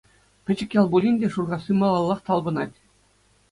Пӗчӗк ял пулин те Шуркасси малаллах талпӑнать…